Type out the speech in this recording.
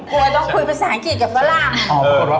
เราต้องคุยภาษาอังกฤษกับฝรั่ง